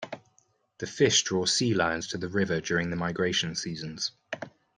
The fish draw sea lions to the river during the migration seasons.